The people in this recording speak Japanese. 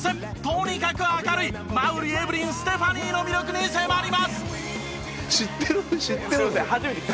とにかく明るい馬瓜エブリンステファニーの魅力に迫ります！